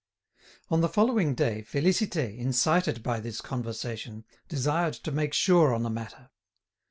On the following day, Félicité, incited by this conversation, desired to make sure on the matter.